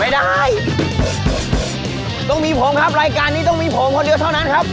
ได้ต้องมีผมครับรายการนี้ต้องมีผมคนเดียวเท่านั้นครับ